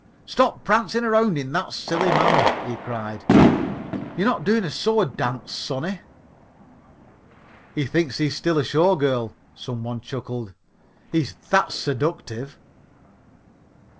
"Stop prancing around in that silly manner," he cried, "you're not doing a sword dance, sonny." "He thinks he's still a show girl," some one chuckled, "he's that seductive."